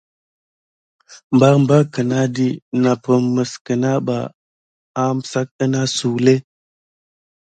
Mambara ki nadi wuna naprime sim kinaba aklune sa anasu lé.